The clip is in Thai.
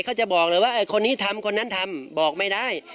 เขาจะบอกเลยว่าคนนี้ทำคนนั้นทำบอกไม่ได้